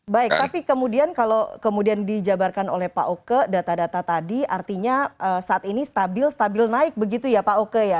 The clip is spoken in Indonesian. baik tapi kemudian kalau kemudian dijabarkan oleh pak oke data data tadi artinya saat ini stabil stabil naik begitu ya pak oke ya